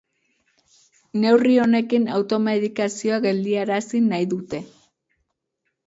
Neurri honekin automedikazioa geldiarazi nahi dute.